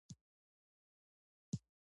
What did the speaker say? د مالټې جوس تازه والی ورکوي.